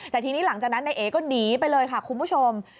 แต่ทีนี้หลังจากนั้นนายเอก็หนีไปเลยค่ะคุณผู้ชม